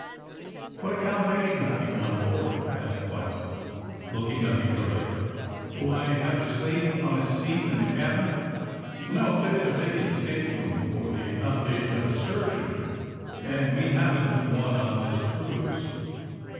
*^What accommodation have you on board?" asked White, looking up eagerly. Do I have to sleep on a seat in the cabin?" '*No; there is a vacant stateroom, for the ac commodation of a surgeon, and we haven't one on this cruise."